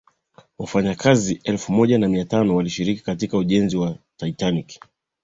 wafanyikazi elfu moja mia tano walishiriki katika ujenzi wa titanic